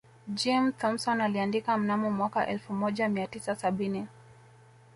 Jim thompson aliandika mnamo mwaka elfu moja mia tisa sabini